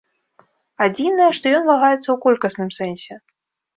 Адзінае, што ён вагаецца ў колькасным сэнсе.